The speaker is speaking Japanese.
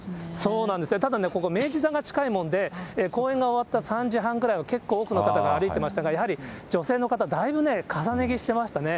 ただね、ここ、明治座が近いもんで、公演が終わった３時半ぐらいは、結構多くの方が歩いてましたが、やはり女性の方、だいぶね、重ね着してましたね。